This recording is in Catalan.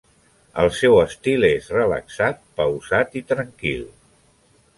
El seu estil és relaxat, pausat i tranquil.